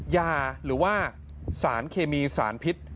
ยาหรือว่าสารเคมีสารพิษ